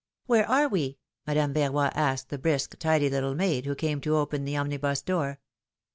''Where are we?^^ Madame Verroy asked the brisk, tidy little maid, who came to open the omnibus door.